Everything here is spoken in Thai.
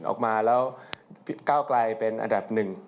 ออกมาแล้วก้าวไกลเป็นอันดับหนึ่ง